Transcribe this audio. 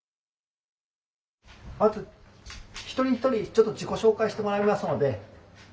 まず一人一人ちょっと自己紹介してもらいますので。